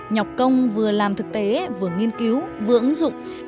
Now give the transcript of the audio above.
nhọc công vừa làm thực tế vừa nghiên cứu vừa ứng dụng